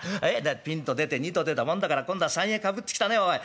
ピンと出て二と出たもんだから今度は三へかぶってきたねおい。